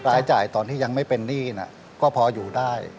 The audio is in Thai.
ใช้จ่ายตอนที่ยังไม่เป็นหนี้ก็พออยู่ได้